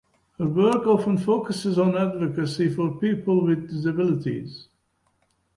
Her work often focuses on advocacy for people with disabilities.